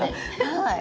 はい。